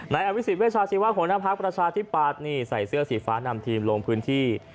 ในอวิสิตเวชาชีวาของหน้าพักประชาธิปัตย์ใส่เสื้อสีฟ้านำทีมลงพื้นที่